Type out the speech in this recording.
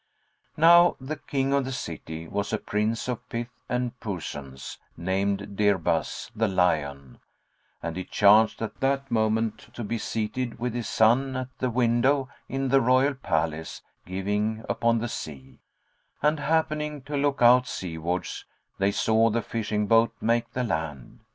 Now the King of the city was a Prince of pith and puissance named Dirbas, the Lion; and he chanced at that moment to be seated, with his son, at a window in the royal palace giving upon the sea; and happening to look out seawards, they saw the fishing boat make the land.